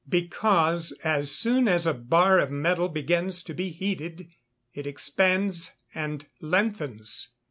_ Because, as soon as a bar of metal begins to be heated, it expands and lengthens.